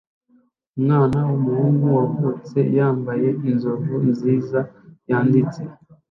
umwana wumuhungu wavutse yambaye inzovu nziza yanditse